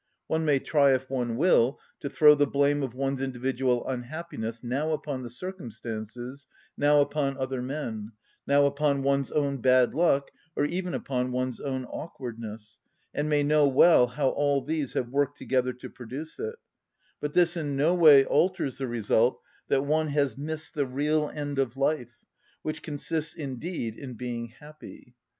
One may try if one will to throw the blame of one's individual unhappiness now upon the circumstances, now upon other men, now upon one's own bad luck, or even upon one's own awkwardness, and may know well how all these have worked together to produce it; but this in no way alters the result that one has missed the real end of life, which consists indeed in being happy.